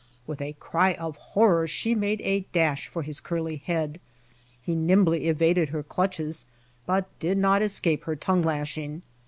With a cry of horror she made a dash for his curly head. He nimbly eluded her clutches, but did not escape her tongue, lashing.